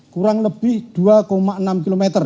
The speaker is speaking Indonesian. kurang lebih dua enam km